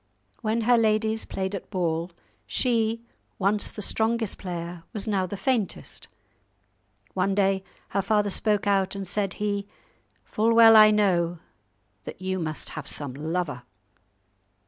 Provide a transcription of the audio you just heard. When her ladies played at ball, she, once the strongest player, was now the faintest. One day her father spoke out, and said he, "Full well I know that you must have some lover."